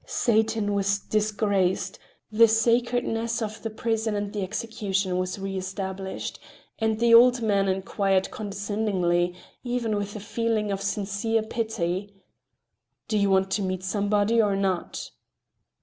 Satan was disgraced, the sacredness of the prison and the execution was re established, and the old man inquired condescendingly, even with a feeling of sincere pity: "Do you want to meet somebody or not?"